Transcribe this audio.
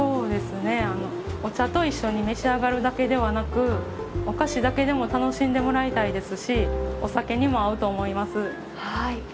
お茶と一緒に召し上がるだけではなくお菓子だけでも楽しんでもらいたいですしお酒にも合うと思います。